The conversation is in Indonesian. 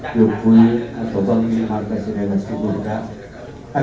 lepas ini saya ingin memberikan salam kepada anda